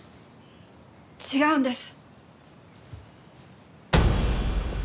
違うんです。